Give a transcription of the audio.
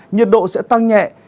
nhiệt độ sẽ tăng nhẹ